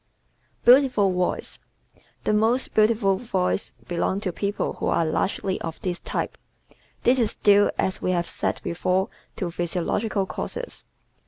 Beautiful Voice ¶ The most beautiful voices belong to people who are largely of this type. This is due, as we have said before, to physiological causes.